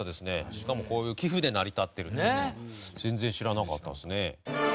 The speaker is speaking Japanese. しかもこういう寄付で成り立ってるっていうのは全然知らなかったですね。